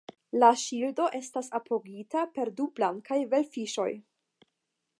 La ŝildo estas apogita per du blankaj velfiŝoj.